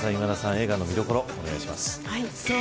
映画の見どころお願いします。